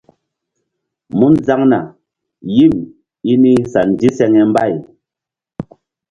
Mun zaŋna yim i ni sa ndiseŋe mbay.